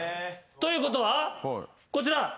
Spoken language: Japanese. ということはこちら。